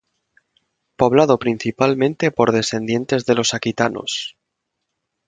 Poblado principalmente por descendientes de los aquitanos.